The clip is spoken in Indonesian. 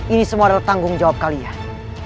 ini semua adalah tanggung jawab kalian